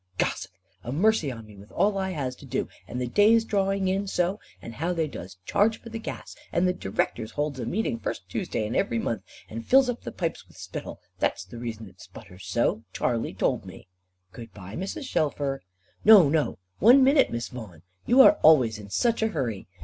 Gossip! A mercy on me with all I has to do, and the days drawing in so, and how they does charge for the gas, and the directors holds a meeting first Tuesday in every month, and fills up the pipes with spittle, that's the reason it sputters so, Charley told me." "Good bye, Mrs. Shelfer." "No, no. One minute, Miss Vaughan; you are always in such a hurry.